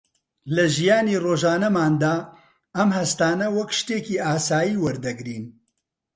لە ژیانی ڕۆژانەماندا ئەم هەستانە وەک شتێکی ئاسایی وەردەگرین